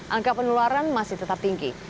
angka penularan masih tetap tinggi